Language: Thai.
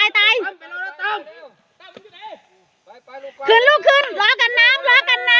รอกันน้ำ